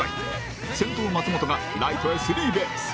先頭松本がライトへスリーベース